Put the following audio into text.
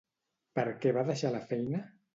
Per què va deixar la feina?